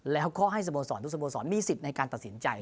แล้วก็ให้สโมสรทุกสโมสรมีสิทธิ์ในการตัดสินใจ